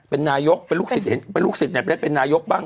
เป็นนายกเป็นลูกศิษย์เห็นเป็นลูกศิษย์ได้เป็นนายกบ้าง